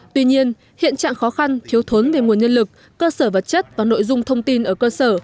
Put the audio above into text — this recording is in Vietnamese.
tuy nhiên hiện trạng khó khăn thiếu thốn về nguồn nhân lực cơ sở vật chất và nội dung thông tin ở cơ sở